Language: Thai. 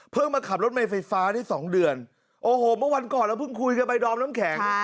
มาขับรถเมย์ไฟฟ้าได้สองเดือนโอ้โหเมื่อวันก่อนเราเพิ่งคุยกันไปดอมน้ำแข็ง